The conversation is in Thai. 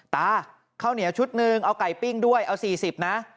ข้าวเหนียวชุดหนึ่งเอาไก่ปิ้งด้วยเอา๔๐นะ